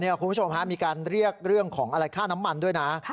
คุณผู้ชมมีการเรียกเรื่องของอะไรค่าน้ำมันด้วยนะ